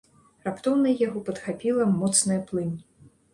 Раптоўна яго падхапіла моцная плынь.